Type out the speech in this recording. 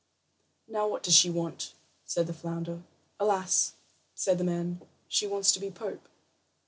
"Now, what does she want?" said the flounder. "Alas," said the man, "she wants to be pope."